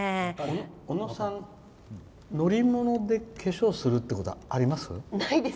小野さん、乗り物で化粧するってこと、あります？